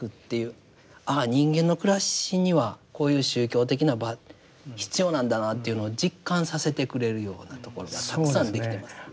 ああ人間の暮らしにはこういう宗教的な場必要なんだなっていうのを実感させてくれるようなところがたくさんできています。